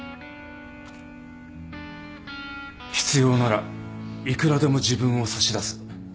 必要ならいくらでも自分を差し出す。